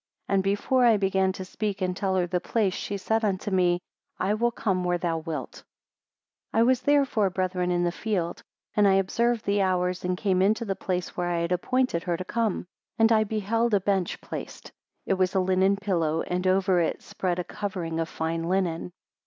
And before I began to speak and tell her the place, she said unto me; I will come where thou wilt. 5 I was therefore, brethren in the field and I observed the hours, and came into the place where I had appointed her to come. 6 And I beheld a bench placed; it was a linen pillow, and over it spread a covering of fine linen.